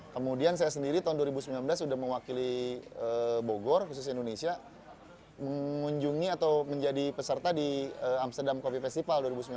kemudian saya sendiri tahun dua ribu sembilan belas sudah mewakili bogor khusus indonesia mengunjungi atau menjadi peserta di amsterdam coffe festival dua ribu sembilan belas